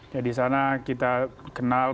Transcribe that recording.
ya disana kita kenal